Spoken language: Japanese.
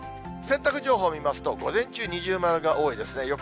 洗濯情報見ますと、午前中二重丸が多いですね。